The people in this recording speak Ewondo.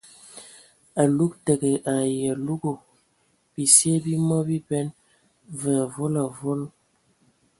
Alug təgə ai alugu ;bisie bi mɔ biben və avɔl avɔl.